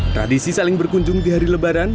tradisi saling berkunjung di hari lebaran